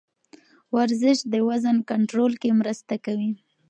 ورزش د وزن کنټرول کې مرسته کوي.